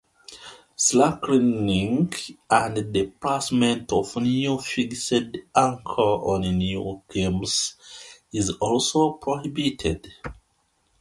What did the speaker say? Slacklining and the placement of new fixed anchors on new climbs is also prohibited.